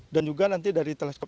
dan juga nanti dari teleskop